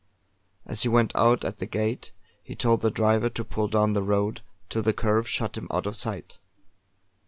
As he went out at the gate he told the driver to pull down the road, till the curve shut him out of sight.